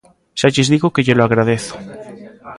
Xa lles digo que llelo agradezo.